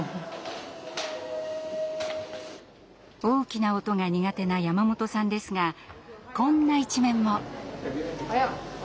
大きな音が苦手な山本さんですがこんな一面も。